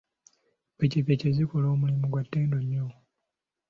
Ppikipiki zikola omulimu gwa ttendo nnyo.